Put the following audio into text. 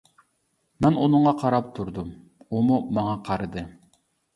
مەن ئۇنىڭغا قاراپ تۇردۇم، ئۇمۇ ماڭا قارىدى.